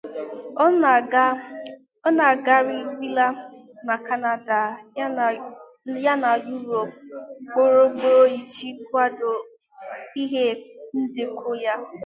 Ọ na-agagharila na Canada ya na Europe ugboro ugboro iji kwado ihe ndekọ ya.